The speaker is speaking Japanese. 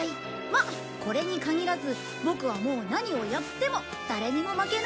まっこれに限らずボクはもう何をやっても誰にも負けないんだ。